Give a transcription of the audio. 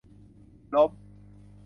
ล้ม